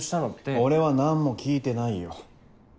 俺は何も聞いてないよ。